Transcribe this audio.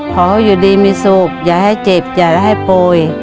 ขอให้อยู่ดีมีสุขอย่าให้เจ็บอย่าให้โปรย